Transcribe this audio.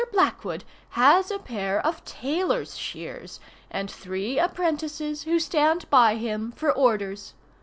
Blackwood has a pair of tailor's shears, and three apprentices who stand by him for orders.